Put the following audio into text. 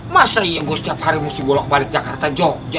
masa ya gue setiap hari harus dibolak balik jakarta jogja